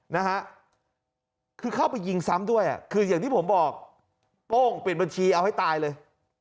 นะฮะคือเข้าไปยิงซ้ำด้วยอ่ะคืออย่างที่ผมบอกโป้งปิดบัญชีเอาให้ตายเลย